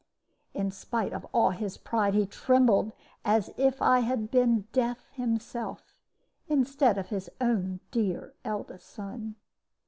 "In spite of all his pride, he trembled as if I had been Death himself, instead of his own dear eldest son.